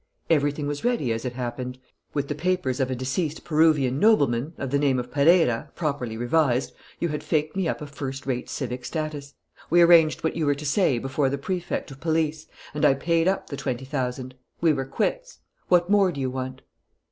"Everything was ready, as it happened. With the papers of a deceased Peruvian nobleman, of the name of Pereira, properly revised, you had faked me up a first rate civic status. We arranged what you were to say before the Prefect of Police; and I paid up the twenty thousand. We were quits. What more do you want?"